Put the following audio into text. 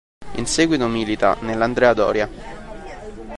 In seguito milita nell'Andrea Doria.